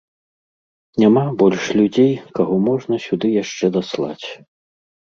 Няма больш людзей, каго можна сюды яшчэ даслаць.